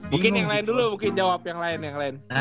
mungkin yang lain dulu mungkin jawab yang lain